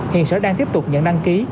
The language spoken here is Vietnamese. hiện sở đang tiếp tục nhận đăng ký